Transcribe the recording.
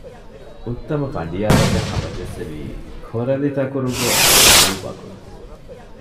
އުއްތަމަ ފަނޑިޔާާރަކަށް ހަމަޖެއްސެވީ ކޮރަލިތަކުރުގެ އަބޫބަކުރު